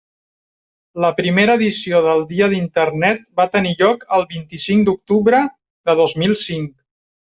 La primera edició del Dia d'Internet va tenir lloc el vint-i-cinc d'octubre de dos mil cinc.